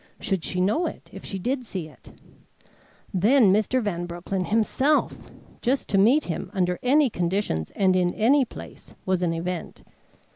Should she know it if she did see it? Then Mr. Van Broecklyn himself! Just to meet him, under any conditions and in any place, was an event.